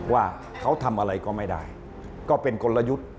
ว่าเขาทำอะไรก็ไม่ได้ก็เป็นกลยุทธ์